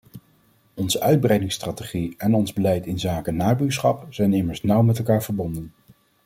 Onze uitbreidingsstrategie en ons beleid inzake nabuurschap zijn immers nauw met elkaar verbonden.